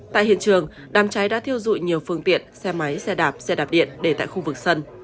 tại hiện trường đám cháy đã thiêu dụi nhiều phương tiện xe máy xe đạp xe đạp điện để tại khu vực sân